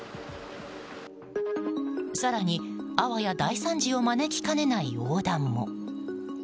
更に、あわや大惨事を招きかねない横断も。